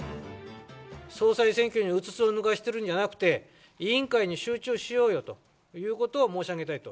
総裁選挙にうつつを抜かしてるんじゃなくて、委員会に集中しようよということを申し上げたいと。